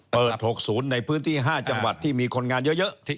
เปิด๖ศูนย์ในพื้นที่๕จังหวัดที่มีคนงานเยอะ